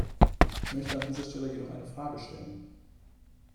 Ich möchte an dieser Stelle jedoch eine Frage stellen.